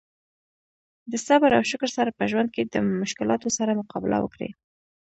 د صبر او شکر سره په ژوند کې د مشکلاتو سره مقابله وکړي.